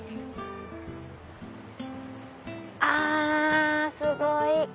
あすごい！